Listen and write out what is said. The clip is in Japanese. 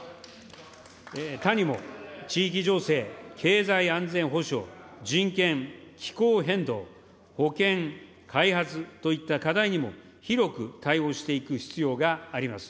他にも地域情勢、経済安全保障、人権、気候変動、保健、開発といった課題にも、広く対応していく必要があります。